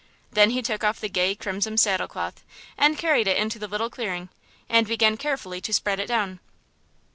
Then he took off the gay, crimson saddle cloth and carried it into the little clearing and began carefully to spread it down.